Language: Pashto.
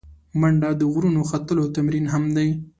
منډه د غرونو ختلو تمرین هم دی